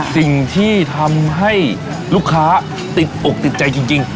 สิ่งที่ทำให้ลูกค้าติดอกติดใจจริง